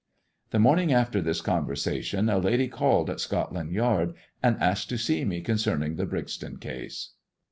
The morning after this conversation a lady called at Scotland Yard, and asked to see me concerning the Brixton case.